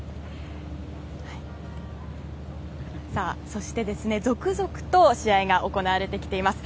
そして、続々と試合が行われてきています。